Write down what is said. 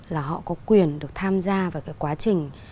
là họ có quyền được tham gia vào cái quá trình